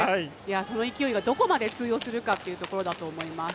その勢いが、どこまで通用するかっていうところだと思います。